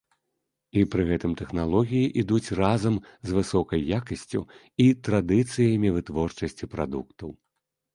І пры гэтым тэхналогіі ідуць разам з высокай якасцю і традыцыямі вытворчасці прадуктаў.